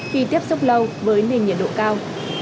khi tiếp xúc lâu với nền nhiệt độ cao